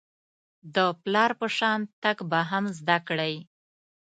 د پلار په شان تګ به هم زده کړئ .